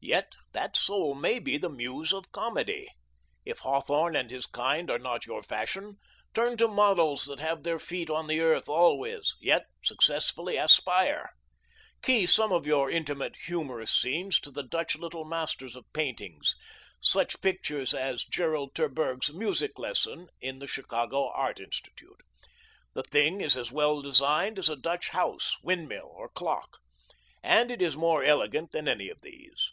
Yet that soul may be the muse of Comedy. If Hawthorne and his kind are not your fashion, turn to models that have their feet on the earth always, yet successfully aspire. Key some of your intimate humorous scenes to the Dutch Little Masters of Painting, such pictures as Gerard Terburg's Music Lesson in the Chicago Art Institute. The thing is as well designed as a Dutch house, wind mill, or clock. And it is more elegant than any of these.